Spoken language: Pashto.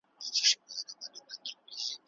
سياسي سيستم د پرېکړو پلي کولو ته اړتيا نلري؟